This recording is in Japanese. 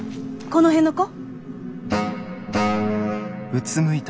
この辺の子？